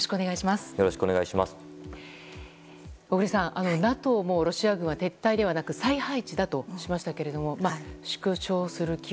小栗さん、ＮＡＴＯもロシア軍は撤退ではなく再配置だとしましたが縮小する